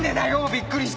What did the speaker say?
びっくりした！